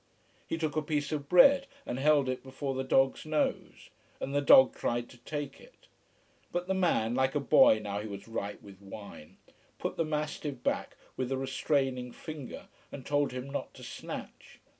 He took a piece of bread and held it before the dog's nose and the dog tried to take it. But the man, like a boy now he was ripe with wine, put the mastiff back with a restraining finger, and told him not to snatch.